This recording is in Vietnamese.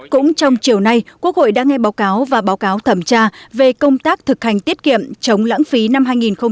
cũng trong chiều nay quốc hội đã nghe báo cáo và báo cáo thẩm tra về công tác thực hành tiết kiệm chống lãng phí năm hai nghìn hai mươi